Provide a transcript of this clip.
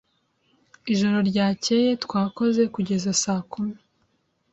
Ijoro ryakeye twakoze kugeza saa kumi